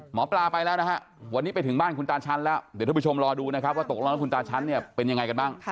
หมอปลาไปแล้วนะฮะวันนี้ไปถึงบ้านคุณตาชั้นแล้วเดี๋ยวท่านผู้ชมรอดูนะครับว่าตกลงแล้วคุณตาชั้นเนี่ยเป็นยังไงกันบ้าง